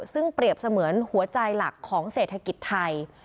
ซึ่งเปรียบเสมือนหัวใจหลักของเศรษฐกิจไทย